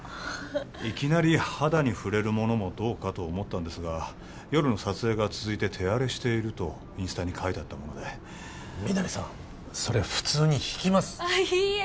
いきなり肌に触れるものもどうかと思ったんですが夜の撮影が続いて手荒れしているとインスタに書いてあったもので皆実さんそれ普通に引きますああいいえ